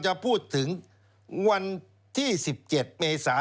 กำลังจะพูดถึงวันที่๑๗เมษา